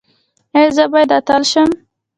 ایا زه باید اتل شم؟